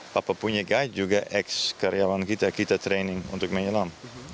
papa punya kah juga ex karyawan kita kita training untuk menyelam